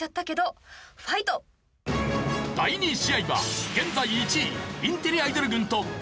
第２試合は現在１位インテリアイドル軍と東大軍。